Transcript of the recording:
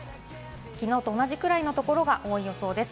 きのうと同じくらいのところが多い予想です。